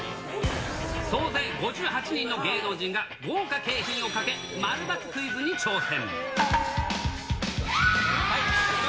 総勢５８人の芸能人が豪華景品をかけ、〇×クイズに挑戦。